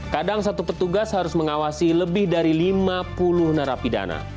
kadang satu petugas harus mengawasi lebih dari lima puluh narapidana